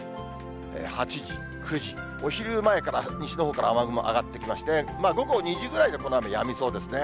８時、９時、お昼前から、西のほうから雨雲上がってきまして、午後２時ぐらいでこの雨、やみそうですね。